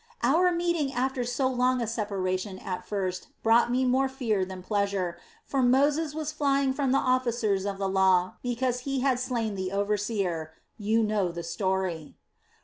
"Our meeting after so long a separation at first brought me more fear than pleasure; for Moses was flying from the officers of the law because he had slain the overseer. You know the story.